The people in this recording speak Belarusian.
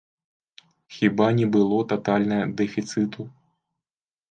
Хіба не было татальна дэфіцыту?